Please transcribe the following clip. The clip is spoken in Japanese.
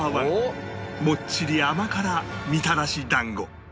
もっちり甘辛みたらし団子